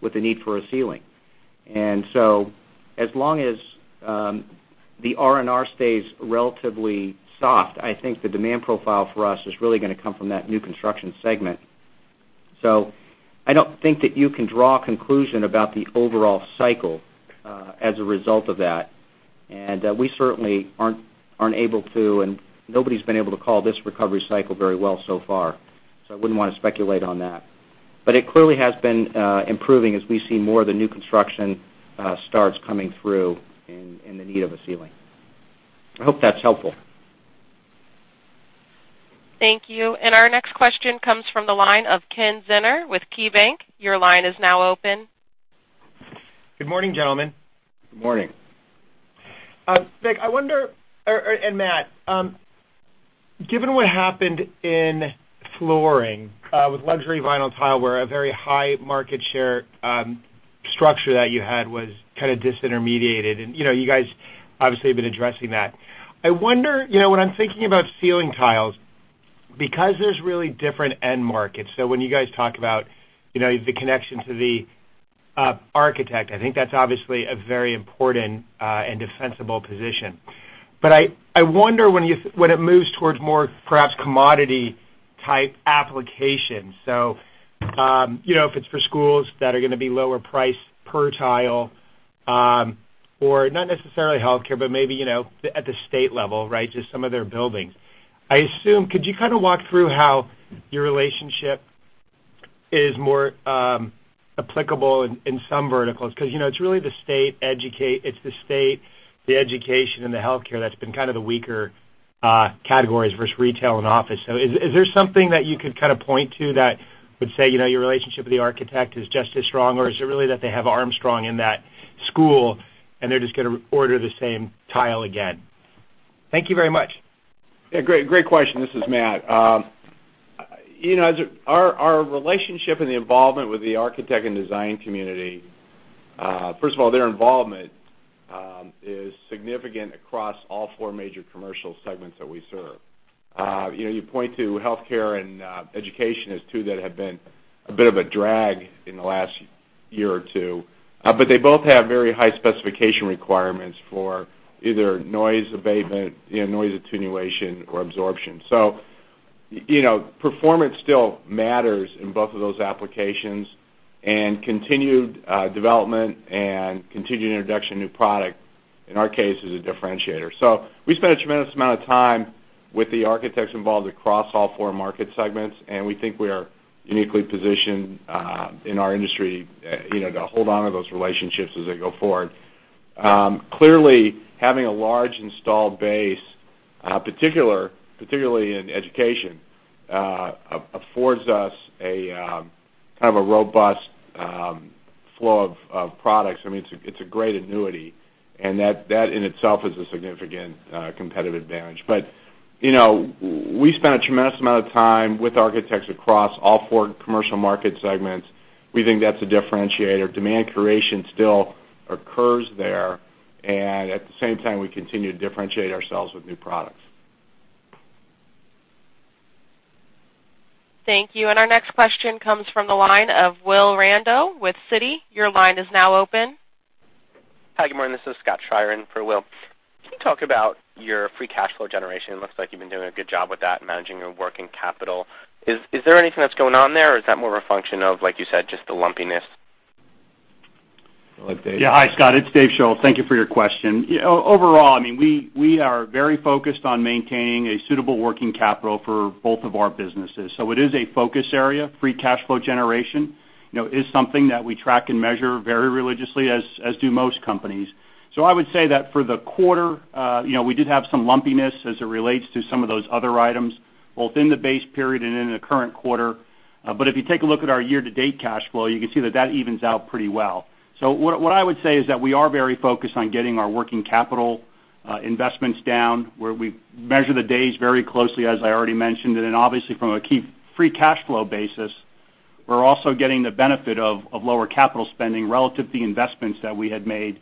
with the need for a ceiling. As long as the RNR stays relatively soft, I think the demand profile for us is really going to come from that new construction segment. I don't think that you can draw a conclusion about the overall cycle as a result of that. We certainly aren't able to, nobody's been able to call this recovery cycle very well so far, I wouldn't want to speculate on that. It clearly has been improving as we see more of the new construction starts coming through in the need of a ceiling. I hope that's helpful. Thank you. Our next question comes from the line of Ken Zener with KeyBanc. Your line is now open. Good morning, gentlemen. Good morning. Vic and Matt, given what happened in flooring with Luxury Vinyl Tile, where a very high market share structure that you had was kind of disintermediated, and you guys obviously have been addressing that. I wonder, when I'm thinking about ceiling tiles, because there's really different end markets, when you guys talk about the connection to the architect, I think that's obviously a very important and defensible position. But I wonder when it moves towards more, perhaps, commodity-type application. If it's for schools that are going to be lower price per tile or not necessarily healthcare, but maybe at the state level, right, just some of their buildings. Could you kind of walk through how your relationship is more applicable in some verticals? Because it's the state, the education, and the healthcare that's been kind of the weaker categories versus retail and office. Is there something that you could kind of point to that would say your relationship with the architect is just as strong, or is it really that they have Armstrong in that school and they're just going to order the same tile again? Thank you very much. Great question. This is Matt. Our relationship and the involvement with the architect and design community, first of all, their involvement is significant across all four major commercial segments that we serve. You point to healthcare and education as two that have been a bit of a drag in the last year or two. But they both have very high specification requirements for either noise abatement, noise attenuation, or absorption. So, performance still matters in both of those applications, and continued development and continued introduction of new product, in our case, is a differentiator. So we spend a tremendous amount of time with the architects involved across all four market segments, and we think we are uniquely positioned in our industry to hold on to those relationships as they go forward. Clearly, having a large installed base, particularly in education, affords us a kind of a robust flow of products. I mean, it's a great annuity, and that in itself is a significant competitive advantage. We spend a tremendous amount of time with architects across all four commercial market segments. We think that's a differentiator. Demand creation still occurs there, and at the same time, we continue to differentiate ourselves with new products. Thank you. Our next question comes from the line of Will Randow with Citi. Your line is now open. Hi, good morning. This is Scott Schrier for Will. Can you talk about your free cash flow generation? It looks like you've been doing a good job with that, managing your working capital. Is there anything that's going on there, or is that more of a function of, like you said, just the lumpiness? You want Dave? Yeah. Hi, Scott. It's Dave Schulz. Thank you for your question. Overall, we are very focused on maintaining a suitable working capital for both of our businesses. It is a focus area. Free cash flow generation is something that we track and measure very religiously, as do most companies. I would say that for the quarter, we did have some lumpiness as it relates to some of those other items, both in the base period and in the current quarter. If you take a look at our year-to-date cash flow, you can see that that evens out pretty well. What I would say is that we are very focused on getting our working capital investments down, where we measure the days very closely, as I already mentioned. Obviously from a free cash flow basis, we're also getting the benefit of lower capital spending relative to the investments that we had made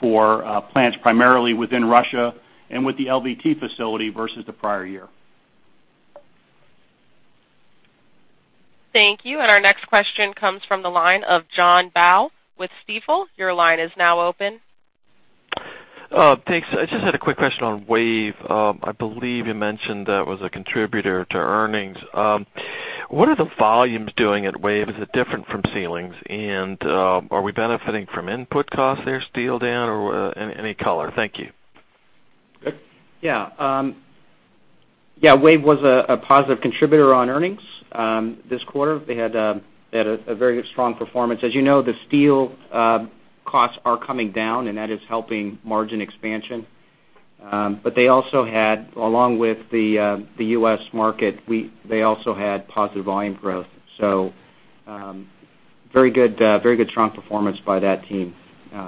for plants, primarily within Russia and with the LVT facility versus the prior year. Thank you. Our next question comes from the line of John Baugh with Stifel. Your line is now open. Thanks. I just had a quick question on WAVE. I believe you mentioned that was a contributor to earnings. What are the volumes doing at WAVE? Is it different from ceilings? Are we benefiting from input costs there, steel down, or any color? Thank you. Vic? Yeah. WAVE was a positive contributor on earnings this quarter. They had a very strong performance. As you know, the steel costs are coming down, and that is helping margin expansion. They also had, along with the U.S. market, they also had positive volume growth. Very good, strong performance by that team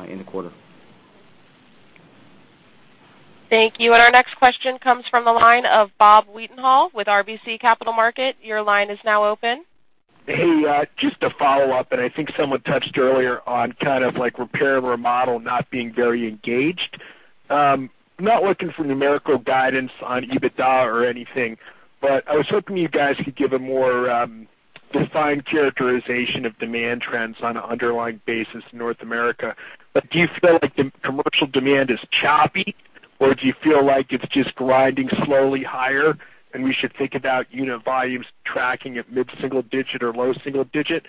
in the quarter. Thank you. Our next question comes from the line of Robert Wetenhall with RBC Capital Markets. Your line is now open. Hey, just a follow-up, and I think someone touched earlier on kind of repair and remodel not being very engaged. I'm not looking for numerical guidance on EBITDA or anything, I was hoping you guys could give a more defined characterization of demand trends on an underlying basis in North America. Do you feel like the commercial demand is choppy, or do you feel like it's just grinding slowly higher, and we should think about unit volumes tracking at mid-single digit or low single digit?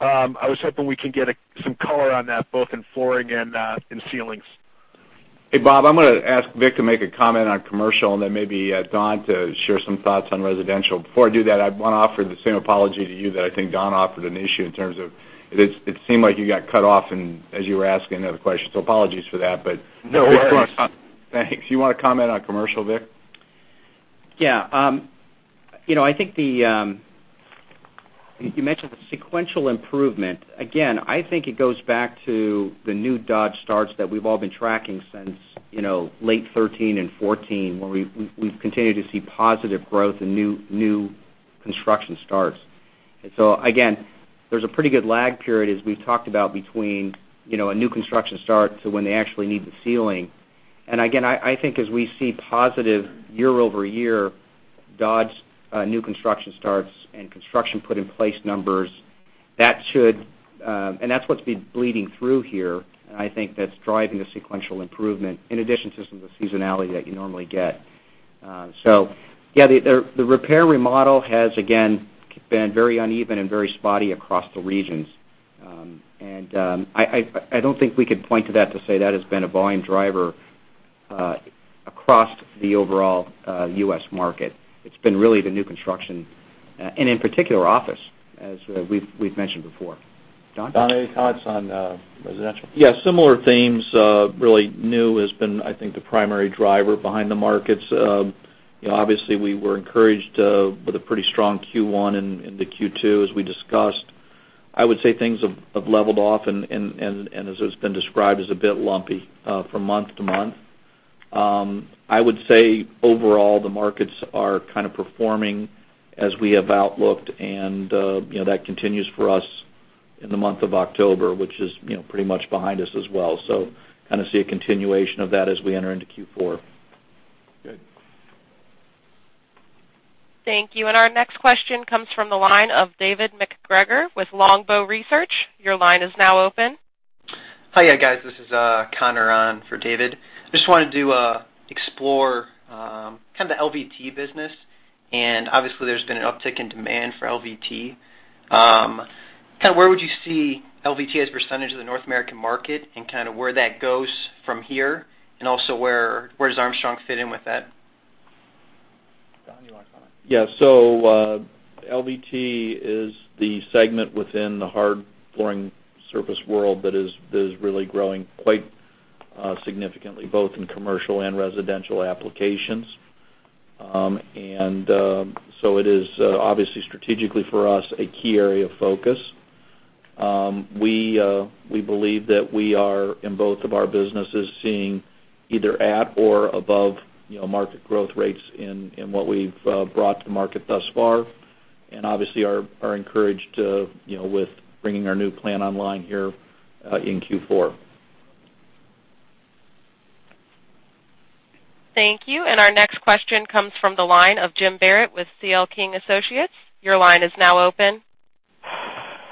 I was hoping we could get some color on that, both in flooring and in ceilings. Hey, Bob, I'm going to ask Vic to make a comment on commercial and then maybe Don to share some thoughts on residential. Before I do that, I want to offer the same apology to you that I think Don offered initially in terms of, it seemed like you got cut off as you were asking another question. Apologies for that. No worries. Thanks. You want to comment on commercial, Vic? Yeah. You mentioned the sequential improvement. Again, I think it goes back to the new Dodge starts that we've all been tracking since late 2013 and 2014, where we've continued to see positive growth in new construction starts. Again, there's a pretty good lag period, as we've talked about between a new construction start to when they actually need the ceiling. Again, I think as we see positive year-over-year Dodge new construction starts and construction put in place numbers, and that's what's been bleeding through here, and I think that's driving the sequential improvement in addition to some of the seasonality that you normally get. Yeah, the repair remodel has, again, been very uneven and very spotty across the regions. I don't think we could point to that to say that has been a volume driver across the overall U.S. market. It's been really the new construction, in particular, office, as we've mentioned before. Don? Don, any thoughts on residential? Yes, similar themes. Really new has been, I think, the primary driver behind the markets. Obviously, we were encouraged with a pretty strong Q1 into Q2, as we discussed. I would say things have leveled off and as it's been described, is a bit lumpy from month to month. I would say overall, the markets are kind of performing as we have outlooked and that continues for us in the month of October, which is pretty much behind us as well. Kind of see a continuation of that as we enter into Q4. Good. Thank you. Our next question comes from the line of David MacGregor with Longbow Research. Your line is now open. Hi guys. This is Conor on for David. I just wanted to explore kind of the LVT business, and obviously there's been an uptick in demand for LVT. Where would you see LVT as a percentage of the North American market and kind of where that goes from here? Also where does Armstrong fit in with that? Don, you want to comment? Yeah. LVT is the segment within the hard flooring surface world that is really growing quite significantly, both in commercial and residential applications. It is obviously strategically for us, a key area of focus. We believe that we are, in both of our businesses, seeing either at or above market growth rates in what we've brought to market thus far, and obviously are encouraged with bringing our new plan online here in Q4. Thank you. Our next question comes from the line of Jim Barrett with C.L. King & Associates. Your line is now open.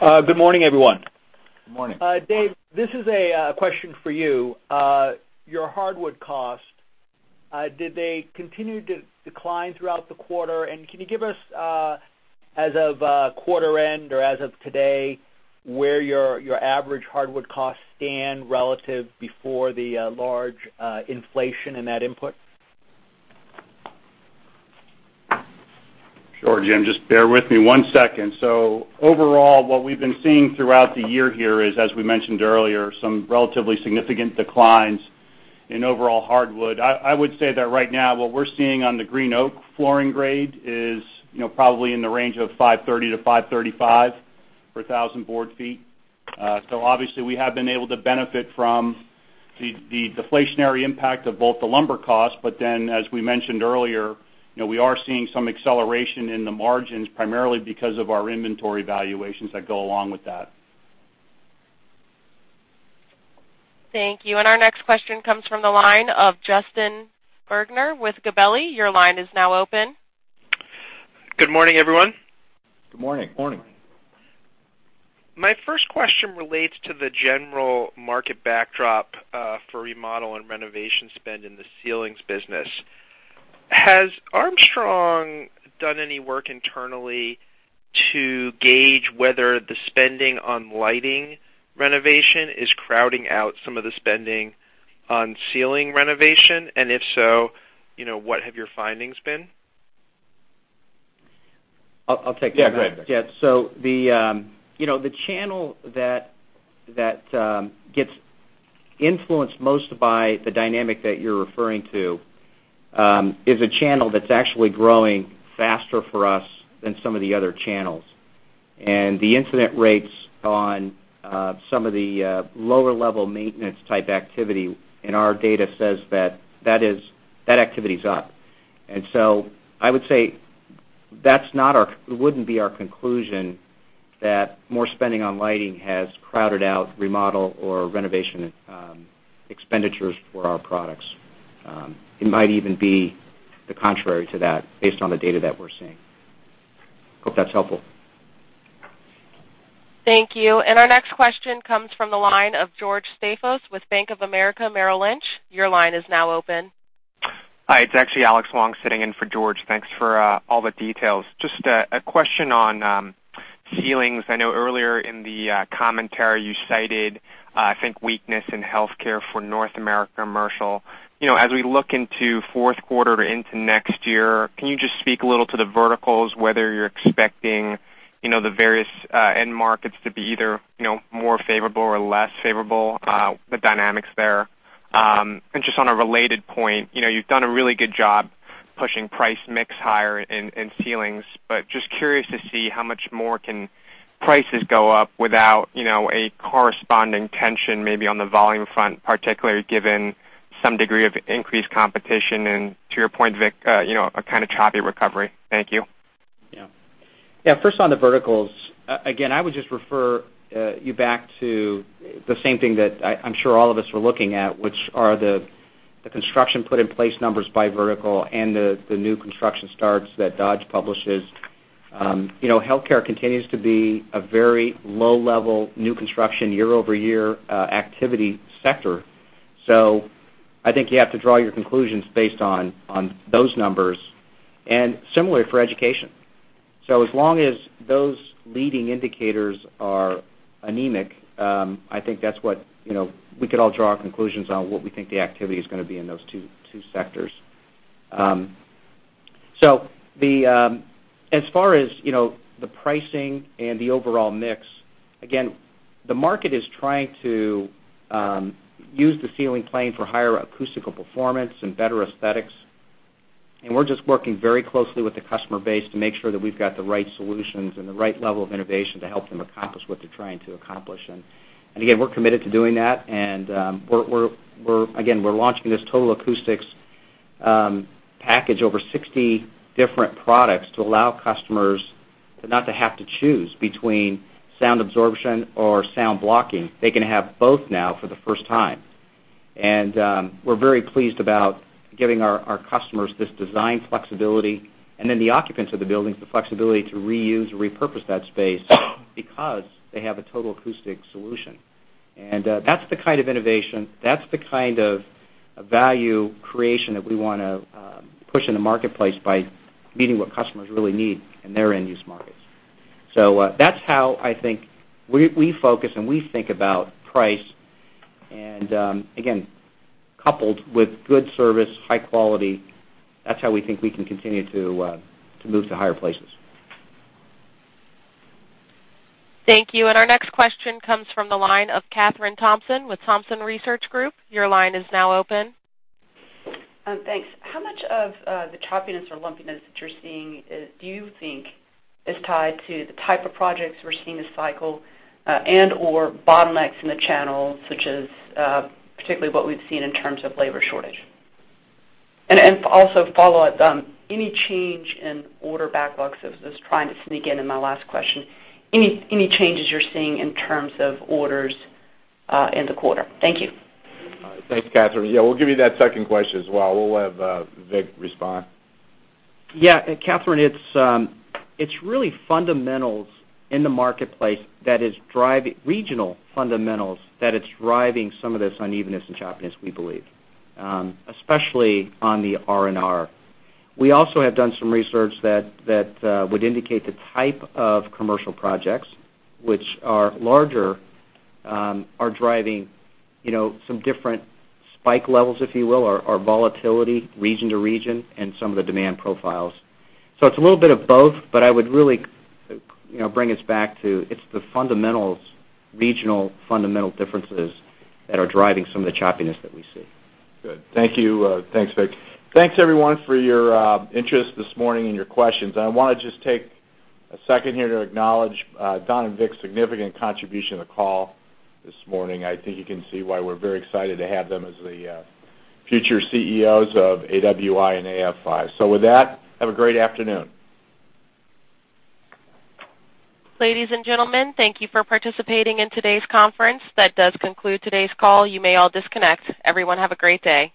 Good morning, everyone. Good morning. Dave, this is a question for you. Your hardwood cost, did they continue to decline throughout the quarter? Can you give us, as of quarter end or as of today, where your average hardwood costs stand relative before the large inflation in that input? Sure, Jim. Just bear with me one second. Overall, what we've been seeing throughout the year here is, as we mentioned earlier, some relatively significant declines in overall hardwood. I would say that right now what we're seeing on the green oak flooring grade is probably in the range of $530-$535 per 1,000 board feet. Obviously we have been able to benefit from the deflationary impact of both the lumber cost, but then as we mentioned earlier, we are seeing some acceleration in the margins, primarily because of our inventory valuations that go along with that. Thank you. Our next question comes from the line of Justin Bergner with Gabelli. Your line is now open. Good morning, everyone. Good morning. Morning. My first question relates to the general market backdrop for remodel and renovation spend in the ceilings business. Has Armstrong done any work internally to gauge whether the spending on lighting renovation is crowding out some of the spending on ceiling renovation? If so, what have your findings been? I'll take that. Yeah, go ahead, Vic. Yeah. The channel that gets influenced most by the dynamic that you're referring to, is a channel that's actually growing faster for us than some of the other channels. The incident rates on some of the lower level maintenance type activity in our data says that that activity is up. I would say that wouldn't be our conclusion that more spending on lighting has crowded out remodel or renovation expenditures for our products. It might even be the contrary to that based on the data that we're seeing. Hope that's helpful. Thank you. Our next question comes from the line of George Staphos with Bank of America Merrill Lynch. Your line is now open. Hi, it's actually Alex Long sitting in for George. Thanks for all the details. A question on ceilings. I know earlier in the commentary you cited, I think, weakness in healthcare for North America commercial. As we look into fourth quarter into next year, can you speak a little to the verticals, whether you're expecting the various end markets to be either more favorable or less favorable, the dynamics there? On a related point, you've done a really good job pushing price mix higher in ceilings, but curious to see how much more can prices go up without a corresponding tension, maybe on the volume front, particularly given some degree of increased competition and to your point, Vic, a kind of choppy recovery. Thank you. First on the verticals, again, I would refer you back to the same thing that I'm sure all of us were looking at, which are the construction put in place numbers by vertical and the new construction starts that Dodge publishes. Healthcare continues to be a very low-level new construction year-over-year activity sector. I think you have to draw your conclusions based on those numbers, and similar for education. As long as those leading indicators are anemic, I think we could all draw our conclusions on what we think the activity is going to be in those two sectors. As far as the pricing and the overall mix, again, the market is trying to use the ceiling plane for higher acoustical performance and better aesthetics. We're working very closely with the customer base to make sure that we've got the right solutions and the right level of innovation to help them accomplish what they're trying to accomplish. Again, we're committed to doing that, and again, we're launching this Total Acoustics package, over 60 different products to allow customers to not have to choose between sound absorption or sound blocking. They can have both now for the first time. We're very pleased about giving our customers this design flexibility and then the occupants of the buildings, the flexibility to reuse or repurpose that space because they have a Total Acoustics solution. That's the kind of innovation, that's the kind of value creation that we want to push in the marketplace by meeting what customers really need in their end-use markets. That's how I think we focus and we think about price. Again, coupled with good service, high quality, that's how we think we can continue to move to higher places. Thank you. Our next question comes from the line of Kathryn Thompson with Thompson Research Group. Your line is now open. Thanks. How much of the choppiness or lumpiness that you're seeing do you think is tied to the type of projects we're seeing this cycle, and/or bottlenecks in the channels, such as particularly what we've seen in terms of labor shortage? Also follow up, any change in order backlogs? I was trying to sneak into my last question. Any changes you're seeing in terms of orders in the quarter? Thank you. Thanks, Kathryn. We'll give you that second question as well. We'll have Vic respond. Kathryn, it's really fundamentals in the marketplace, regional fundamentals, that is driving some of this unevenness and choppiness, we believe, especially on the R&R. We also have done some research that would indicate the type of commercial projects which are larger, are driving some different spike levels, if you will, or volatility region to region and some of the demand profiles. It's a little bit of both, but I would really bring us back to, it's the fundamentals, regional fundamental differences that are driving some of the choppiness that we see. Good. Thank you. Thanks, Vic. Thanks everyone for your interest this morning and your questions. I want to just take a second here to acknowledge Don and Vic's significant contribution to the call this morning. I think you can see why we're very excited to have them as the future CEOs of AWI and AFI. With that, have a great afternoon. Ladies and gentlemen, thank you for participating in today's conference. That does conclude today's call. You may all disconnect. Everyone, have a great day.